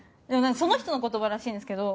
その人の言葉らしいんですけど。